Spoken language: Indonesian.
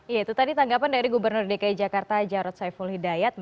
ya itu tadi tanggapan dari gubernur dki jakarta jarod saiful hidayat